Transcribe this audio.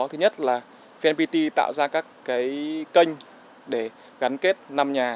thứ nhất là vnpt tạo ra các kênh để gắn kết năm nhà